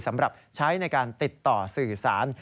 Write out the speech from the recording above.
สำหรับใช้ในการติดต่อสื่อสาร